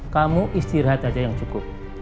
kamu istirahat aja yang cukup